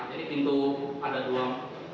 jadi pintu ada doang